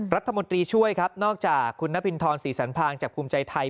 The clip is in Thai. รัฐมนตรีช่วยครับนอกจากคุณนพินทรศรีสันพางจากภูมิใจไทย